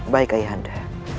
baik ayah anda